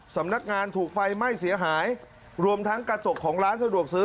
สำนักงานถูกไฟไหม้เสียหายรวมทั้งกระจกของร้านสะดวกซื้อ